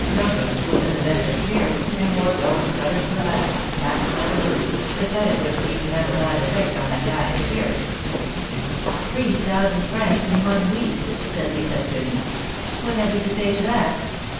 Logre was in the best of spirits, and wore rose colored cravats and patent leather boots, the sight of which seemed to have a bad effect on Lacaille's spirits. Three thousand francs in one week !" said Lisa to Quenu. '^What have you to say to that?